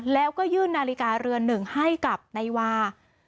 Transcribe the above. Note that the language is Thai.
แล้วก็ยื่นนาฬิกาเรือนหนึ่งให้กับนายวา